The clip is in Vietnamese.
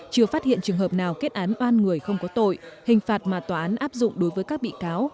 chưa phát hiện trường hợp nào kết án oan người không có tội hình phạt mà tòa án áp dụng đối với các bị cáo